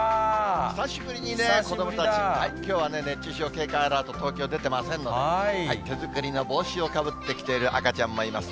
久しぶりに子どもたち、きょうは東京、熱中症警戒アラート出ていませんので、手作りの帽子をかぶってきている赤ちゃんもいます。